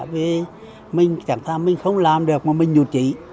vì mình chẳng tham mình không làm được mà mình nhụ trị